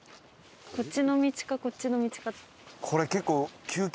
こっちの道かこっちの道か。